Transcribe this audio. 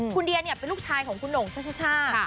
คุณเดียเป็นลูกชายของคุณหน่งช่า